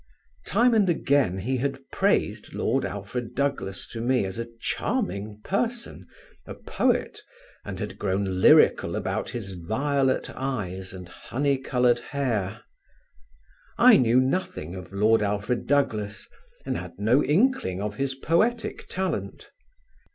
Time and again he had praised Lord Alfred Douglas to me as a charming person, a poet, and had grown lyrical about his violet eyes and honey coloured hair. I knew nothing of Lord Alfred Douglas, and had no inkling of his poetic talent.